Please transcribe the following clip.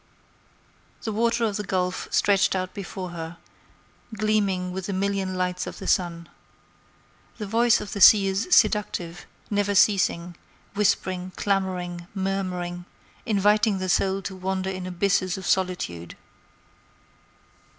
The water of the Gulf stretched out before her, gleaming with the million lights of the sun. The voice of the sea is seductive, never ceasing, whispering, clamoring, murmuring, inviting the soul to wander in abysses of solitude.